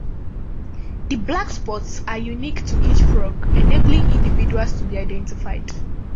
The black spots are unique to each frog, enabling individuals to be identified.